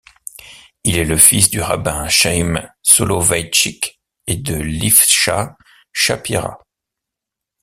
Il est le fils du rabbin Chaim Soloveitchik et de Lifsha Shapira.